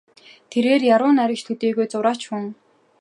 Тэрээр яруу найрагч төдийгүй зураач хүн.